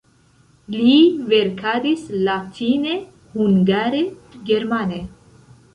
Li verkadis latine, hungare, germane.